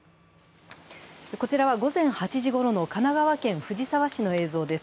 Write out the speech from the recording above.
こちらは午前８時ごろの神奈川県藤沢市の映像です。